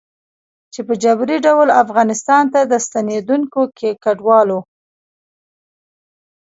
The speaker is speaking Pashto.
چې په جبري ډول افغانستان ته د ستنېدونکو کډوالو